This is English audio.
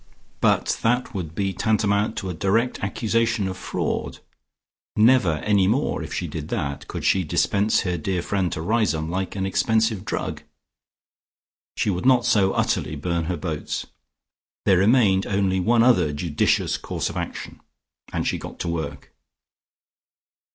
But that would be tantamount to a direct accusation of fraud. Never any more, if she did that, could she dispense her dear friend to Riseholme like an expensive drug. She would not so utterly burn her boats. There remained only one other judicious course of action, and she got to work.